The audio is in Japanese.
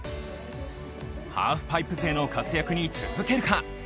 ハーフパイプ勢の活躍に続けるか。